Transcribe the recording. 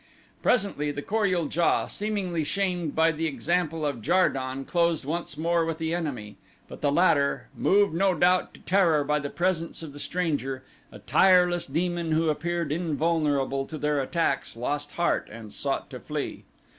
Presently the Kor ul JA, seemingly shamed by the example of Jar don closed once more with the enemy, but the latter, moved no doubt to terror by the presence of the stranger, a tireless demon who appeared invulnerable to their attacks, lost heart and sought to flee.